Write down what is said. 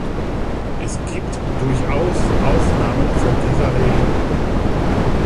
Es gibt durchaus Ausnahmen von dieser Regel.